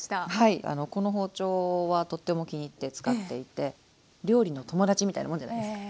この包丁はとっても気に入って使っていて「料理の友達」みたいなもんじゃないですか。